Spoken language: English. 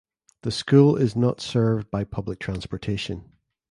The school is not served by public transportation.